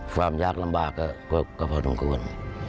ความยากลำบากก็พอสมควร